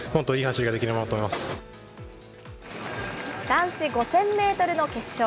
男子５０００メートルの決勝。